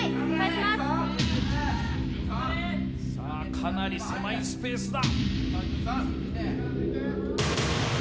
かなり狭いスペースだ。